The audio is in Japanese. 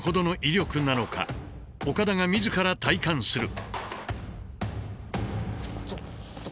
岡田が自ら体感する。